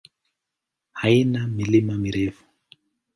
Haina milima mirefu.